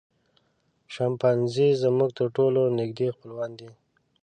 شامپانزي زموږ تر ټولو نږدې خپلوان دي.